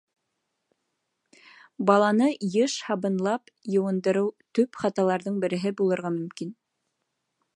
Баланы йыш һабынлап йыуындырыу төп хаталарҙың береһе булырға мөмкин.